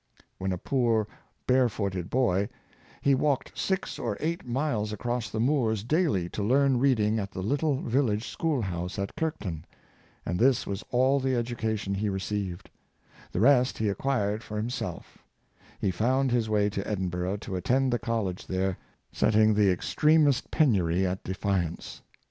When a poor barefooted boy, he walked six or eight miles across the moors daily to learn read ing at the little village schoolhouse of Kirkton; and this was all the education he received; the rest he acquired for himself He found his way to Edinburgh to attend the college there, setting the extremest penury at defi ance.